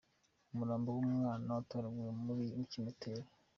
Umurambo w’umwana watoraguwe mu kimpoteri